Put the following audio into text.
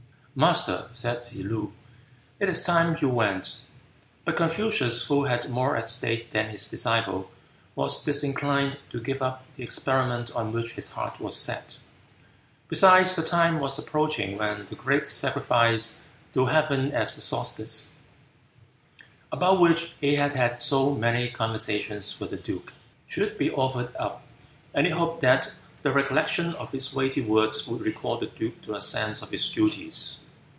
"Master," said Tsze loo, "it is time you went." But Confucius, who had more at stake than his disciple, was disinclined to give up the experiment on which his heart was set. Besides, the time was approaching when the great sacrifice to Heaven at the solstice, about which he had had so many conversations with the duke, should be offered up, and he hoped that the recollection of his weighty words would recall the duke to a sense of his duties.